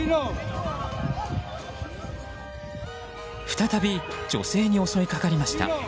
再び女性に襲いかかりました。